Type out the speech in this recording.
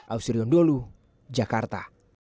ausirion dulu jakarta